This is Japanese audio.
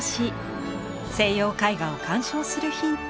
西洋絵画を鑑賞するヒント